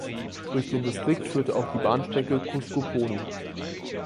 Durch den Distrikt führt auch die Bahnstrecke Cusco–Puno.